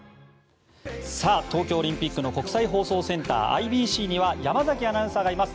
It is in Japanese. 東京オリンピックの国際放送センター・ＩＢＣには山崎アナウンサーがいます。